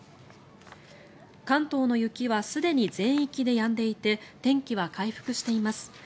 関東の雪はすでに全域でやんでいて天気は回復しています。